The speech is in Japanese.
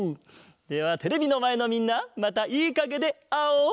ではテレビのまえのみんなまたいいかげであおう！